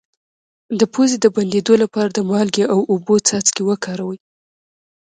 د پوزې د بندیدو لپاره د مالګې او اوبو څاڅکي وکاروئ